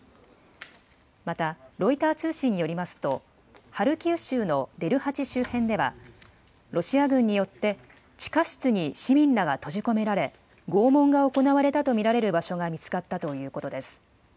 また、ロイター通信によりますと、ハルキウ州のデルハチ周辺では、ロシア軍によって地下室に市民らが閉じ込められ、拷問が行われたと見られる場所が見つかったということです。